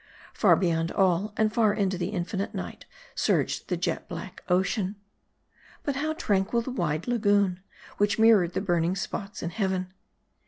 Far beyond all, and far into the infinite night, surged the jet black ocean. But how tranquil the wide lagoon, which mirrored the burning spots in heaven